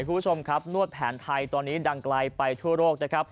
คุณผู้ชมครับนวดแผนไทยตอนนี้ดังไกลไปทั่วโลกนะครับ